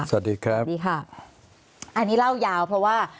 สวัสดีครับสวัสดีค่ะอันนี้เล่ายาวเพราะว่า